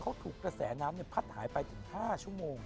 เขาถูกกระแสน้ำพัดหายไปถึง๕ชั่วโมง